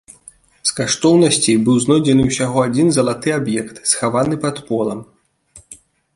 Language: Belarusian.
З каштоўнасцей быў знойдзены ўсяго адзін залаты аб'ект, схаваны пад полам.